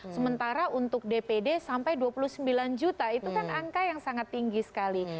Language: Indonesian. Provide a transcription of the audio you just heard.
sementara untuk dpd sampai dua puluh sembilan juta itu kan angka yang sangat tinggi sekali